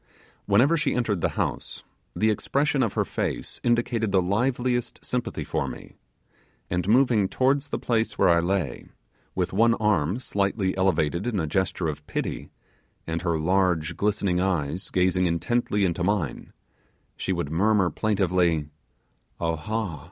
Whenever she entered the house, the expression of her face indicated the liveliest sympathy for me; and moving towards the place where I lay, with one arm slightly elevated in a gesture of pity, and her large glistening eyes gazing intently into mine, she would murmur plaintively, 'Awha!